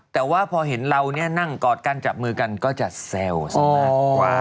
แต่ว่าพอเห็นเราเนี่ยนั่งกอดกันจับมือกันก็จะแซวซะมากกว่า